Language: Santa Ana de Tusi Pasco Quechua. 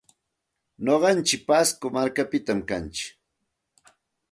Nuqantsik pasco markapitam kantsik.